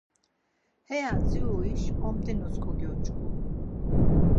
Heya dziruşi omt̆inus kogyoç̌ǩu.